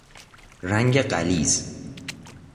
رنگ غلیظ